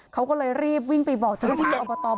เขาก็เลยรีบวิ่งไปบอกชาวบ้าน